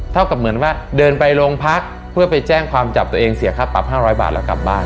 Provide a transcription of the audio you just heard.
กับเหมือนว่าเดินไปโรงพักเพื่อไปแจ้งความจับตัวเองเสียค่าปรับ๕๐๐บาทแล้วกลับบ้าน